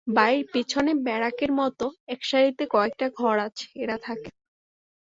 বাড়ির পিছনে ব্যারাকের মতো একসারিতে কয়েকটা ঘর আছে, এরা থাকে।